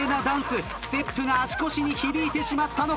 ステップが足腰に響いてしまったのか。